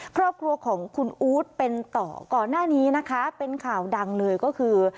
ครอบครัวของคุณอู๊ดเป็นต่อก่อนหน้านี้นะคะเป็นข่าวดังเลยก็คือ